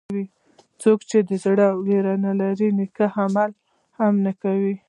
څوک چې په زړه کې وېره نه لري نیک عمل هم نه کوي.